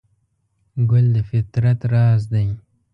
ګل د فطرت راز دی.